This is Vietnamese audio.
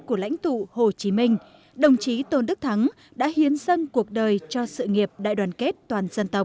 của lãnh tụ hồ chí minh đồng chí tôn đức thắng đã hiến dâng cuộc đời cho sự nghiệp đại đoàn kết toàn dân tộc